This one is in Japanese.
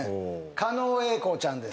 狩野英孝ちゃんです。